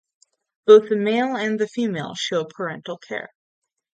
Both the male and the female show parental care.